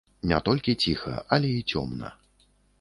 Не толькі ціха, але і цёмна.